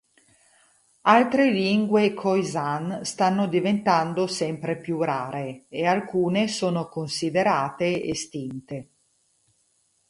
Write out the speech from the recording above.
Altre lingue khoisan stanno diventando sempre più rare, e alcune sono considerate estinte.